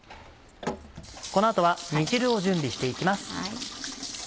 この後は煮汁を準備して行きます。